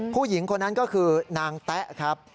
ผู้หญิงคนนั้นก็คือนางแต๊ะครับ